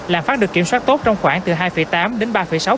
lạm phát được kiểm soát tốt trong khoảng từ hai tám đến ba sáu